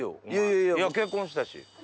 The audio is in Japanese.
いや結婚したし。